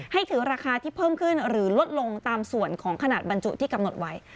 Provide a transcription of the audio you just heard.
ถือราคาที่เพิ่มขึ้นหรือลดลงตามส่วนของขนาดบรรจุที่กำหนดไว้